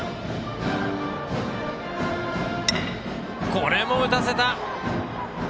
これも打たせた！